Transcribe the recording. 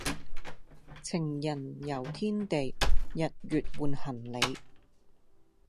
情人遊天地日月換行李